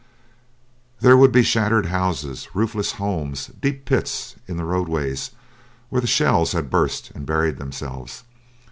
There would be shattered houses, roofless homes, deep pits in the roadways where the shells had burst and buried themselves.